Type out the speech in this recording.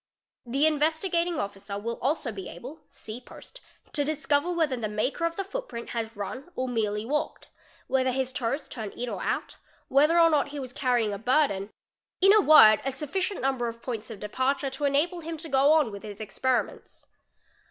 The Investigating Officer will also be able (see post) to discover whether the maker of the faot print has run or merely walked, whether his toes turn in or out, whether or not he was carrying a burden, in a word a sufficient number of poim iS of departure to enable him to go on with his experiments.